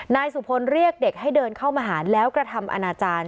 นายสุพลเรียกเด็กให้เดินเข้ามาหาแล้วกระทำอนาจารย์